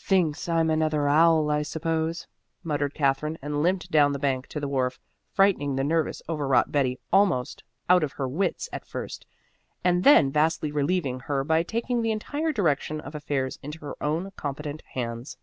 "Thinks I'm another owl, I suppose," muttered Katherine, and limped down the bank to the wharf, frightening the nervous, overwrought Betty almost out of her wits at first, and then vastly relieving her by taking the entire direction of affairs into her own competent hands.